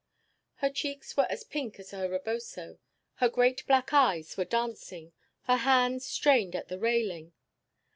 Her cheeks were as pink as her reboso, her great black eyes were dancing. Her hands strained at the railing.